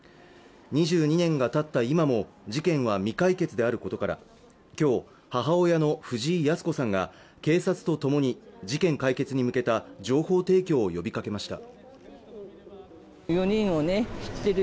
２２年がたった今も事件は未解決であることから今日、母親の藤井康子さんが警察とともに事件解決に向けた情報提供を呼びかけました。